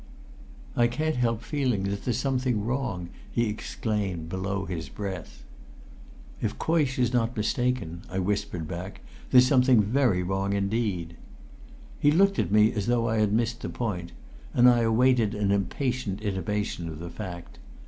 "I can't help feeling that there's something wrong!" he exclaimed below his breath. "If Coysh is not mistaken," I whispered back, "there's something very wrong indeed." He looked at me as though I had missed the point, and I awaited an impatient intimation of the fact.